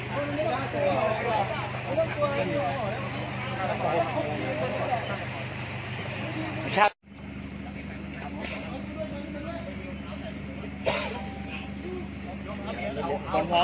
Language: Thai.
หารุมเตอร์สงสารให้สายปากตาแฮ่ว